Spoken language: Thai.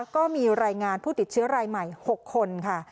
ก็มีรายงานผู้ติดเชื้อรายใหม่๖คนค่ะ